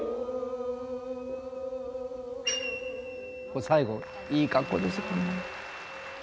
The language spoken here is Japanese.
ここ最後いい格好ですよね。